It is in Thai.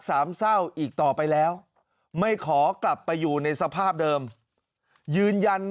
สามเศร้าอีกต่อไปแล้วไม่ขอกลับไปอยู่ในสภาพเดิมยืนยัน